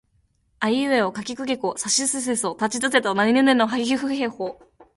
あいうえおかきくけこさしすせそたちつてとなにぬねのはひふへほ